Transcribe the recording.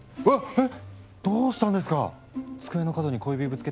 えっ？